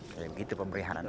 kayak begitu pemberihanan